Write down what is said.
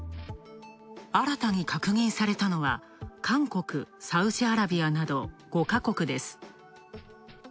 新たに確認されたのは、韓国、サウジアラビアなど５か国です。